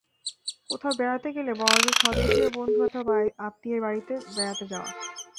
কোথাও বেড়াতে গেলে বড়জোর স্বদেশিয় বন্ধু অথবা আত্মীয়ের বাড়িতে বেড়াতে যাওয়া।